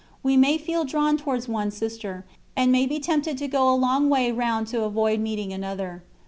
We may feel drawn towards one Sister, and may be tempted to go a long way round to avoid meeting another.